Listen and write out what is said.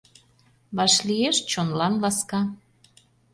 Вашлиеш — чонлан ласка.